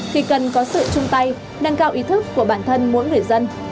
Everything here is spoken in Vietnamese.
thì cần có sự chung tay nâng cao ý thức của bản thân mỗi người dân